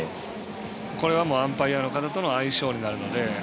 これはアンパイアの方との相性になるので。